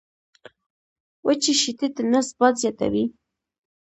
وچي شیدې د نس باد زیاتوي.